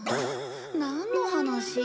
なんの話？